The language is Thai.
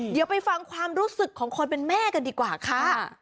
เดี๋ยวไปฟังความรู้สึกของคนเป็นแม่กันดีกว่าค่ะ